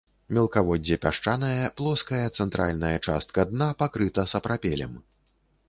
Мелкаводдзе пясчанае, плоская цэнтральная частка дна пакрыта сапрапелем.